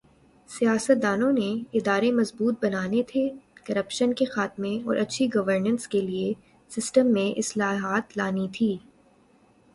سیاستدانوں نے ادارے مضبوط بنانے تھے، کرپشن کے خاتمہ اور اچھی گورننس کے لئے سسٹم میں اصلاحات لانی تھی۔